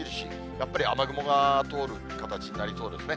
やっぱり雨雲が通る形になりそうですね。